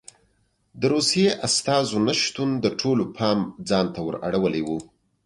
د روسیې استازو نه شتون د ټولو پام ځان ته ور اړولی و.